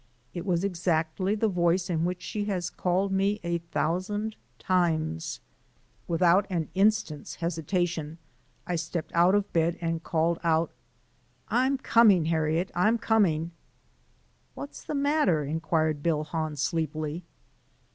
It was exactly the voice in which she has called me a thousand times. Without an instant's hesitation, I stepped out of bed and called out: "I'm coming, Harriet! I'm coming!" "What's the matter?" inquired Bill Hahn sleepily.